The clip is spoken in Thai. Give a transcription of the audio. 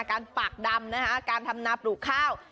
การปากดำนะคะการทำนาปลูกข้าว